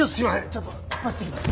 ちょっと走ってきます。